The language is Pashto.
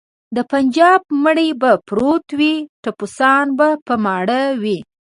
د بنجاب مړی به پروت وي ټپوسان به په ماړه وي.